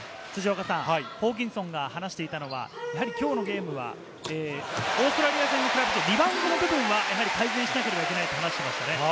ホーキンソンが話していたのは、きょうのゲームはオーストラリア戦に比べてリバウンドの部分は改善しなければいけないと話していました。